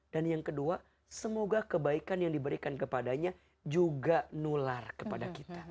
dan yang kedua semoga kebaikan yang diberikan kepadanya juga nulai